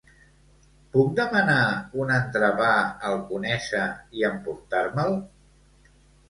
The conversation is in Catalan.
Puc demanar un entrepà al Conesa i emportar-me'l?